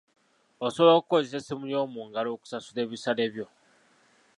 Osobola okukozesa essimu yo eyoomungalo okusasula ebisale byo.